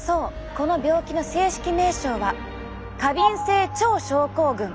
この病気の正式名称は過敏性腸症候群。